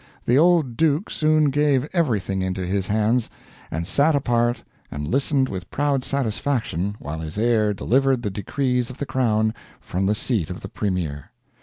The old duke soon gave everything into his hands, and sat apart and listened with proud satisfaction while his heir delivered the decrees of the crown from the seat of the premier.